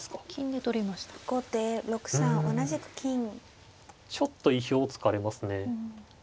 ちょっと意表つかれますね。